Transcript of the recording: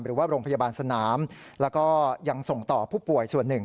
หรือว่าโรงพยาบาลสนามแล้วก็ยังส่งต่อผู้ป่วยส่วนหนึ่ง